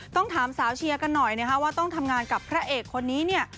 ต้องถามสาวเชียร์กันหน่อยนะคะว่าต้องทำงานกับพระเอกคนนี้เนี่ย